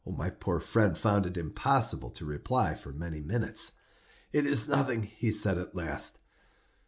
My poor friend found it impossible to reply for many minutes. "It is nothing," he said, at last.